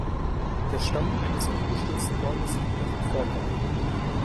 Der Stamm eines umgestürzten Baumes liegt noch im Vorgarten.